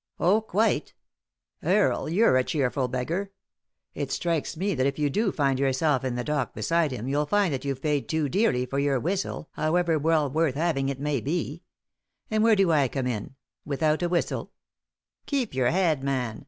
" Oh, quite !" "Earle, you're a cheerful beggar. It strikes me 260 3i 9 iii^d by Google THE INTERRUPTED KISS that if you do find yourself in the dock beside him you'll find that you've paid too dearly for your whistle, however well worth having it may be. And where do I come in ? Without a whistle 1 "" Keep your head, man.